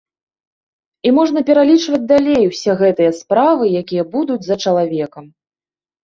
І можна пералічваць далей усе гэтыя справы, якія будуць за чалавекам.